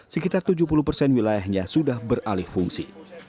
sekitar tujuh puluh persen wilayahnya sudah beralih fungsi